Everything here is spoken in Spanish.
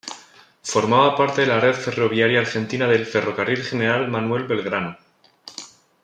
Formaba parte de la red ferroviaria argentina del Ferrocarril General Manuel Belgrano.